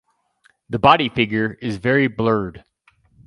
The body figure is very blurred.